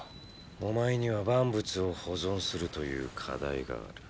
お前には万物を保存するという課題がある。